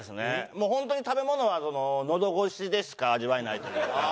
もう本当に食べ物はのどごしでしか味わえないというか。